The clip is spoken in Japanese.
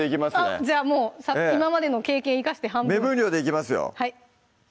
じゃあもう今までの経験生かして半分目分量でいきますよ